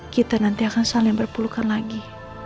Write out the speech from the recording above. kita nanti akan saling berpelukan lagi